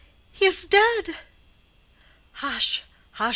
He is dead!" "Hush, hush!"